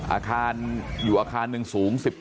อาคารอยู่อาคารหนึ่งสูง๑๗